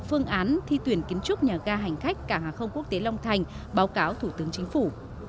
phương án thi tuyển kiến trúc nhà ga hành khách cảng hàng không quốc tế long thành báo cáo thủ tướng chính phủ